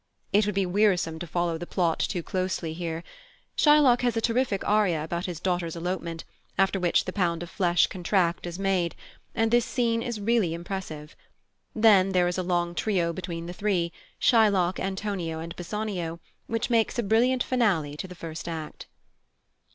It would be wearisome to follow the plot too closely here. Shylock has a terrific aria about his daughter's elopement, after which the pound of flesh contract is made; and this scene is really impressive. Then there is a long trio between the three Shylock, Antonio, and Bassanio which makes a brilliant finale to the first act.